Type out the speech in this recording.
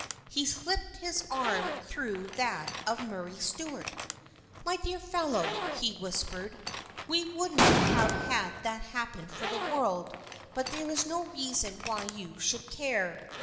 He slipped his arm through that of Murray Stuart. " My dear fellow," he whispered, " we wouldn't have had that happen for the world, but there is no reason why you should care.